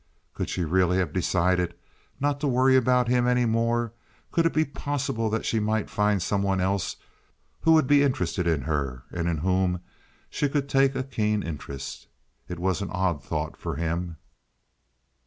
Could she really have decided not to worry about him any more? Could it be possible that she might find some one else who would be interested in her, and in whom she would take a keen interest? It was an odd thought for him.